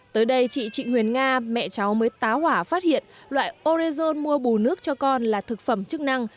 tới đây chị trịnh huyền nga mẹ cháu mới tá hỏa phát hiện loại orezon mua bù nước cho con là thực phẩm chức năng